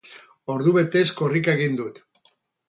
Ordu betez korrika egin dut.